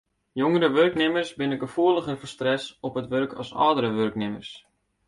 Jongere wurknimmers binne gefoeliger foar stress op it wurk as âldere wurknimmers.